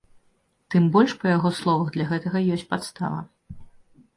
Тым больш, па яго словах, для гэтага ёсць падстава.